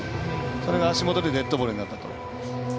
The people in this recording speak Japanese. それが足元でデッドボールになったと。